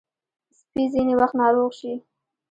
سپي ځینې وخت ناروغ شي.